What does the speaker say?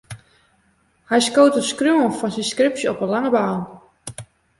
Hy skoot it skriuwen fan syn skripsje op 'e lange baan.